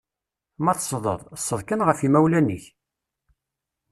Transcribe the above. Ma teṣṣdeḍ, ṣṣed kan ɣef imawlan-ik!